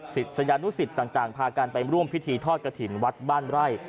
สิทธิ์สยานุสิทธิ์ต่างพาการไปร่วมพิธีทอดกระถิ่นวัดบ้านไร่